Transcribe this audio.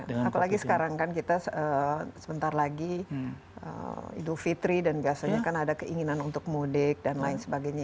apalagi sekarang kan kita sebentar lagi idul fitri dan biasanya kan ada keinginan untuk mudik dan lain sebagainya